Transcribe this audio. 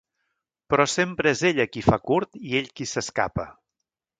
Però sempre és ella qui fa curt i ell qui s'escapa.